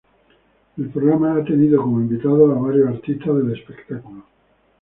El programa ha tenido como invitados a varios artistas del espectáculo.